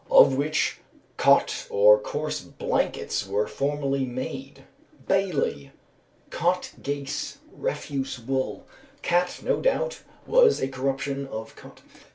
_ "Of which cotte or coarse blankets were formerly made" (BAILEY). "Cot gase" (refuse wool). "Cat" no doubt was a corruption of "cot."